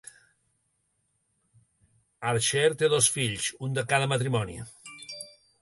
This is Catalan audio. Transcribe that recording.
Archer té dos fills, un de cada matrimoni.